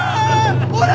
ほら！